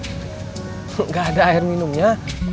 enggak ada air minumnya